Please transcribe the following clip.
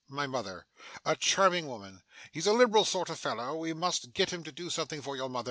My mother. A charming woman. He's a liberal sort of fellow. We must get him to do something for your mother.